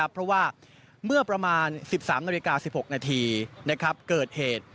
เพราะว่าเมื่อประมาณ๑๓นาฬิกา๑๖นาทีเกิดเหตุ